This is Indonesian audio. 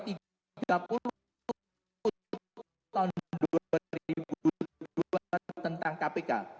tahun dua ribu dua tentang kpk